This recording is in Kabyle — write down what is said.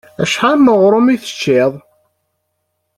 Acḥal n uɣrum i teččiḍ?